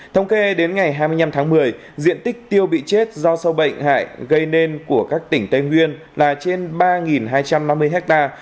thống kê đến ngày hai mươi năm tháng một mươi diện tích tiêu bị chết do sâu bệnh hại gây nên của các tỉnh tây nguyên là trên ba hai trăm năm mươi ha